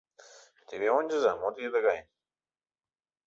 — Теве ончыза: мо тиде тыгай?